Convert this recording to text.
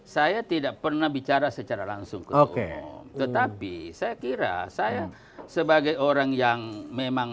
saya tidak pernah bicara secara langsung ketua umum tetapi saya kira saya sebagai orang yang memang